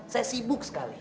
saya sibuk sekali